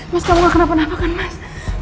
mas kamu gak kenapa napakan mas